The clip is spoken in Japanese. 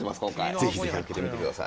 ぜひぜひ開けてみてください。